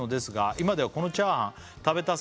「今ではこのチャーハン食べたさに」